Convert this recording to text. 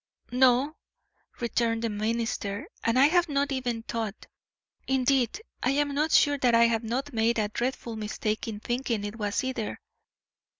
"No," returned the minister, "and I have not even thought. Indeed, I am not sure that I have not made a dreadful mistake in thinking it was either.